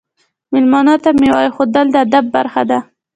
میلمنو ته میوه ایښودل د ادب برخه ده.